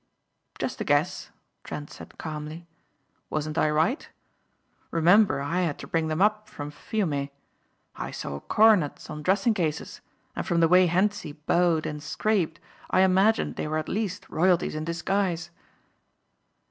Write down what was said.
"Just a guess," Trent said calmly, "Wasn't I right? Remember I had to bring them up from Fiume. I saw coronets on dressing cases and from the way Hentzi bowed and scraped I imagined they were at least royalties in disguise."